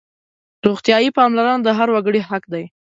روغتیايي پاملرنه د هر وګړي حق دی.